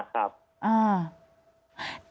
ครับ